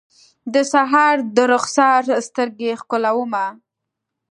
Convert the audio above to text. د سحر درخسار سترګې ښکلومه